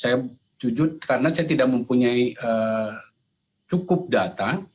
saya jujur karena saya tidak mempunyai cukup data